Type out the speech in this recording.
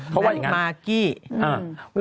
เพราะว่าอย่างนั้นม๊ากกี้อ่า